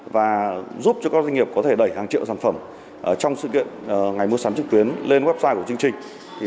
và giúp cho các doanh nghiệp có thể đẩy hàng triệu sản phẩm trong sự kiện ngày mua sắm trực tuyến lên website của chương trình